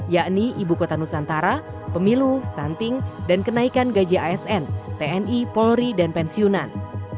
yakni ibu kota nusantara pemilu stunting dan kenaikan gaji asn tni polri dan pensiunan